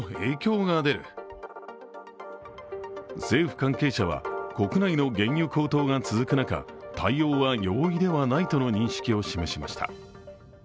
政府関係者は、国内の原油高騰が続く中、対応は容易ではないとの認識を示しました。